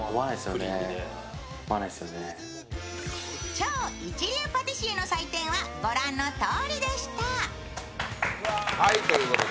超一流のパティシエの採点はご覧のとおりでした。